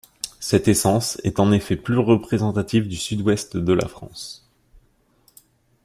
Cette essence est en effet plus représentative du sud-ouest de la France.